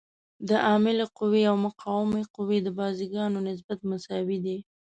د عاملې قوې او مقاومې قوې د بازوګانو نسبت مساوي دی.